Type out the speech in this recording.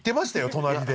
隣で。